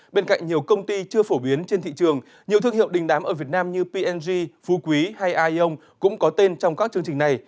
bên cạnh nhiều công ty chưa phổ biến trên thị trường nhiều thương hiệu đình đám ở việt nam như png phú quý hay ion cũng có tên trong các chương trình này